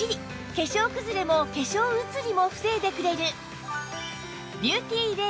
化粧くずれも化粧移りも防いでくれる